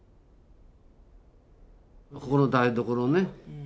ここの台所ね。